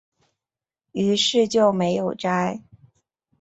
於是就没有摘